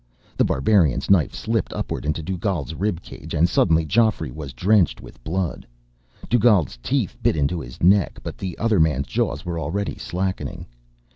The Barbarian's knife slipped upward into Dugald's rib cage, and suddenly Geoffrey was drenched with blood. Dugald's teeth bit into his neck, but the other man's jaws were already slackening.